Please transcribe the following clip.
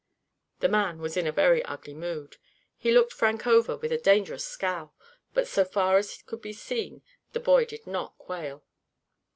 The man was in a very ugly mood. He looked Frank over with a dangerous scowl, but so far as could be seen the boy did not quail.